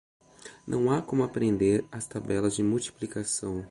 Não há como aprender as tabelas de multiplicação.